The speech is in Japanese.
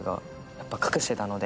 やっぱ隠してたので。